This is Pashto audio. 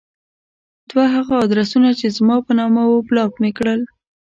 دوه هغه ادرسونه چې زما په نامه وو بلاک مې کړل.